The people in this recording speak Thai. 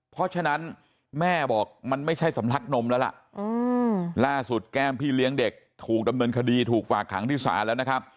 เพราะฉะนั้นแม่บอกมันไม่ใช่สำลักนมแล้วล่ะล่าสุดแก้มพี่เลี้ยงเด็กถูกดำเนินคดีถูกฝากขังที่ศาลแล้วนะครับ